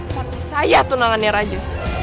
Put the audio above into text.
tapi saya tunangannya raja